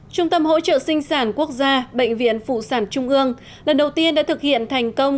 trung tâm hỗ trợ sinh sản quốc gia bệnh viện phụ sản trung ương lần đầu tiên đã thực hiện thành công